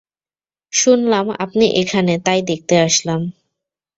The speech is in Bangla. শুনলাম আপনি এখানে তাই দেখতে আসলাম।